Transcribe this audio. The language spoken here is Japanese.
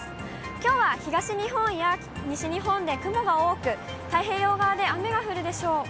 きょうは東日本や西日本で雲が多く、太平洋側で雨が降るでしょう。